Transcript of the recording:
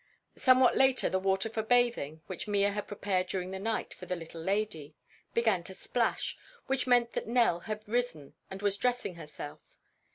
Somewhat later the water for bathing, which Mea had prepared during the night for the little lady, began to splash, which meant that Nell had risen and was dressing herself.